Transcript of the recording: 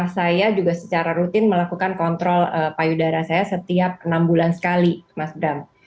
saya juga secara rutin melakukan kontrol payudara saya setiap enam bulan sekali mas bram